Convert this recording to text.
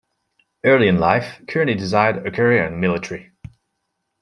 Early in life, Kearny desired a career in the military.